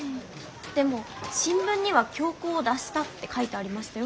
でも新聞には「恐慌を脱した」って書いてありましたよ。